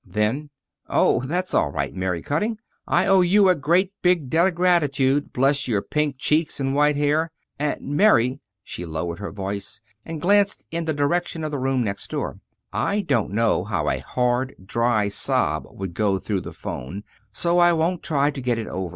Then: "Oh, that's all right, Mary Cutting. I owe you a great big debt of gratitude, bless your pink cheeks and white hair! And, Mary," she lowered her voice and glanced in the direction of the room next door, "I don't know how a hard, dry sob would go through the 'phone, so I won't try to get it over.